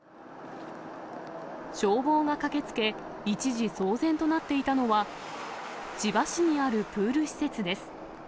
消防が駆けつけ、一時、騒然となっていたのは、千葉市にあるプール施設です。